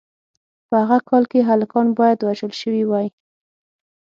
په هغه کال کې هلکان باید وژل شوي وای.